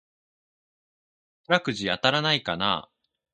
宝くじ当たらないかなぁ